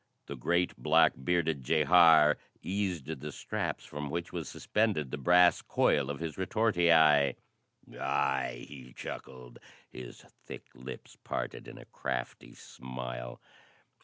The great, black bearded jehar eased the straps from which was suspended the brass coil of his retortii. "Aye," he chuckled, his thick lips parted in a crafty smile.